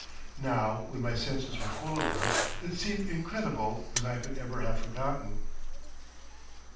Now when my senses were full of her, it seemed incredible that I could ever have forgotten....